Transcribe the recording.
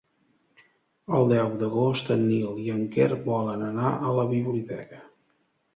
El deu d'agost en Nil i en Quer volen anar a la biblioteca.